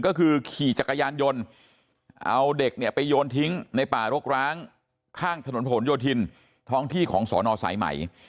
ก็คือขี่จักรยานยนต์เอาเด็กเนี่ยไปโยนทิ้งในป่ารกร้างข้างถนนผนโยธินท้องที่ของสอนอสายใหม่